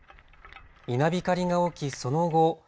稲光が起き、その後。